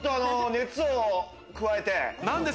熱を加えて。